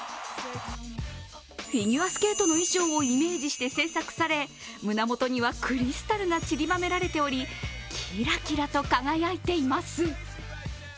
フィギュアスケートの衣装をイメージして製作され胸元にはクリスタルが散りばめられており、キラキラと輝いています。